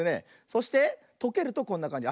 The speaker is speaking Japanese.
そしてとけるとこんなかんじ。